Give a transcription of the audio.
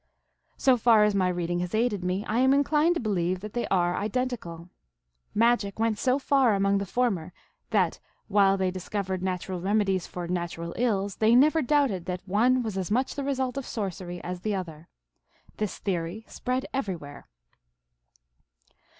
So far as my reading has aided me, I am inclined to believe that they are identical. " Magic " went so far among the former that, while they dis covered natural remedies for natural ills, they never doubted that one was as much the result of sorcery as the other. This theory spread everywhere.